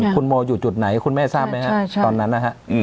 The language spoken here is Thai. คุณโมอยู่จุดไหนคุณแม่ทราบไหมครับตอนนั้นนะฮะ